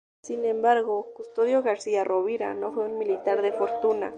Sin embargo, Custodio García Rovira no fue un militar de fortuna.